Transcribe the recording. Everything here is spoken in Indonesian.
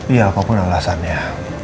iya apapun alasannya